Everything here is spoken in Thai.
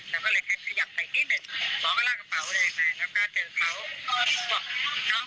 หมอก็ลากกระเป๋าได้ไหมแล้วก็เจอเขา